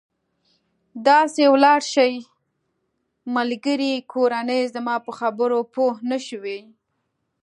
داسې ولاړ شئ، ملګري، کورنۍ، زما په خبرو پوه نه شوې.